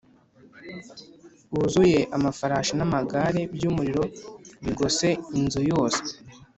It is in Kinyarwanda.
Wuzuye amafarashi n amagare by umuriro bigose inzu yose